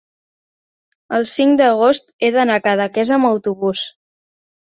el cinc d'agost he d'anar a Cadaqués amb autobús.